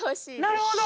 なるほど！